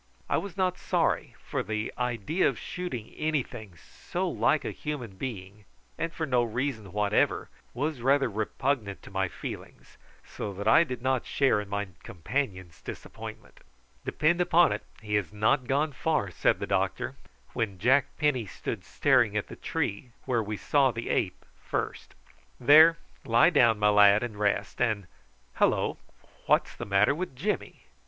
I was not sorry, for the idea of shooting anything so like a human being, and for no reason whatever, was rather repugnant to my feelings, so that I did not share in my companion's disappointment. "Depend upon it, he has not gone far," said the doctor, when Jack Penny stood staring at the tree where we saw the ape first. "There, lie down, my lad, and rest, and hallo! what's the matter with Jimmy?"